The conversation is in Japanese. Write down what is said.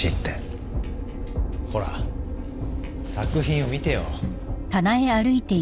ほら作品を見てよ。